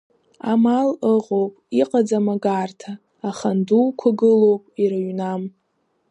Амал ыҟоуп иҟаӡам агарҭа, ахан дуқәа гылоуп, ирыҩнам.